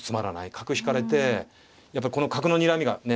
角引かれてやっぱりこの角のにらみがね